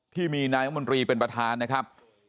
ที่มีนายอมรวิวัตน์รัฐมนตรีเป็นประธานนะครับ